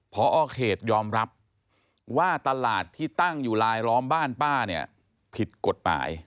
พอเขตยอมรับว่าตลาดที่ตั้งอยู่ลายล้อมบ้านป้าเนี่ยผิดกฎหมาย